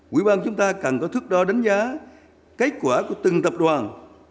quỹ ban chúng ta cần có thước đo đánh giá kết quả của từng tập đoàn